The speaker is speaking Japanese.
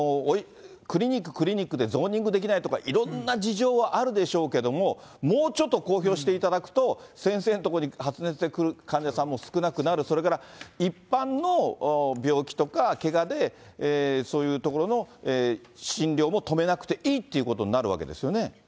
クリニック、クリニックでゾーニングできないとか、いろんな事情はあるでしょうけども、もうちょっと公表していただくと、先生の所に発熱で来る患者さんも少なくなる、それから、一般の病気とかけがで、そういう所の診療も止めなくていいということになるわけですよね。